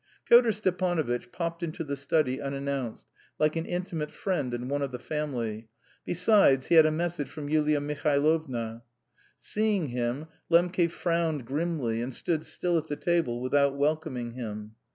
Pyotr Stepanovitch popped into the study unannounced, like an intimate friend and one of the family; besides, he had a message from Yulia Mihailovna. Seeing him, Lembke frowned grimly and stood still at the table without welcoming him.